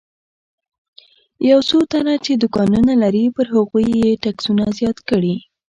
یو څو تنه چې دوکانونه لري پر هغوی یې ټکسونه زیات کړي.